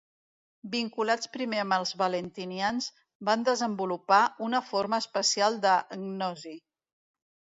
Vinculats primer amb els valentinians, van desenvolupar una forma especial de gnosi.